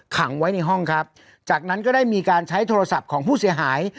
ขังไว้ในห้องครับจากนั้นก็ได้มีการใช้โทรศัพท์ของผู้เสียหาย